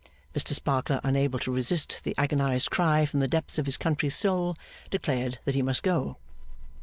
Mr Sparkler, unable to resist the agonised cry from the depths of his country's soul, declared that he must go.